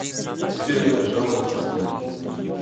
Теперь она лежала на простыне.